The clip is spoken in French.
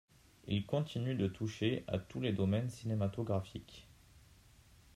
Il continue de toucher à tous les domaines cinématographiques.